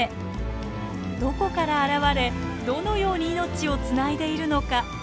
どこから現れどのように命をつないでいるのか？